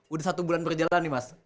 udah satu bulan berjalan nih mas